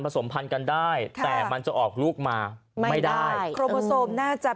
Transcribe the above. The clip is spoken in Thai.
สมพันธ์กันได้แต่มันจะออกลูกมาไม่ได้ใช่โครโมโซมน่าจะ